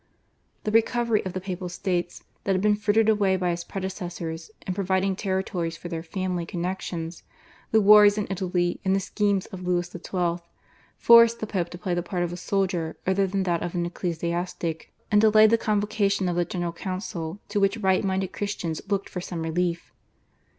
The recovery of the Papal States that had been frittered away by his predecessors in providing territories for their family connections, the wars in Italy, and the schemes of Louis XII. forced the Pope to play the part of a soldier rather than that of an ecclesiastic, and delayed the convocation of the General Council to which right minded Christians looked for some relief.